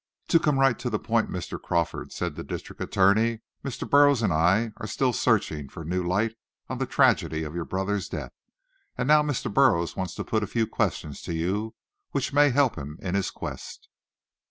"To come right to the point, Mr. Crawford," said the district attorney, "Mr. Burroughs and I are still searching for new light on the tragedy of your brother's death. And now Mr. Burroughs wants to put a few questions to you, which may help him in his quest."